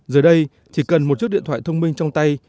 giờ đây chỉ cần một chiếc điện thoại thông minh trong tay